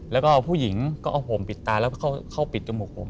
แล้วก็ผู้หญิงก็เอาห่มปิดตาแล้วก็เข้าปิดจมูกผม